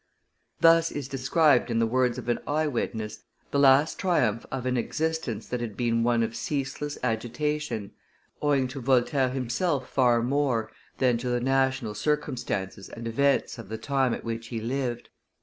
Thus is described in the words of an eye witness the last triumph of an existence that had been one of ceaseless agitation, owing to Voltaire himself far more than to the national circumstances and events of the time at which he lived.